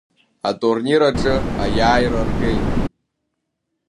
Атурнир аҿы аиааира ргеит…